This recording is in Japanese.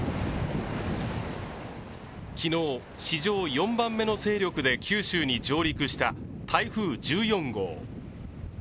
昨日、史上４番目の勢力で九州に上陸した台風１４号。